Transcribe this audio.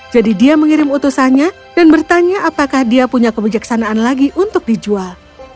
jadi dia mengirim utusannya dan bertanya apakah dia punya kebijaksanaan lagi untuk dijual